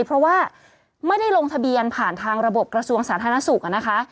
เพราะว่าไม่ได้ลงทะเบียนผ่านทางระบบกระทรวงสาธารณสุขนะคะ